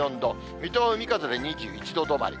水戸は海風で２１度止まり。